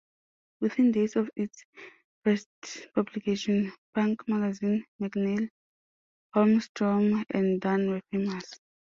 Within days of its first publication, "Punk" Magazine, McNeil, Holmstrom, and Dunn were famous.